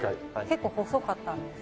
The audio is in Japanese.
結構細かったんですね。